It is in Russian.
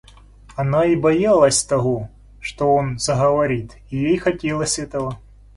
Она и боялась того, что он заговорит, и ей хотелось этого.